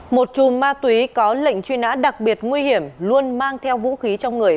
một chùm ma túy có lệnh truy nã đặc biệt nguy hiểm luôn mang theo vũ khí trong người